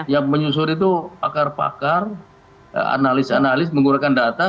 yang menyusur itu pakar pakar analis analis menggunakan data